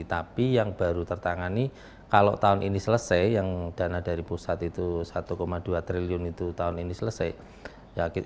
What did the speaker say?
tapi yang baru tertangani kalau tahun ini selesai yang dana dari pusat itu satu dua triliun itu tahun ini selesai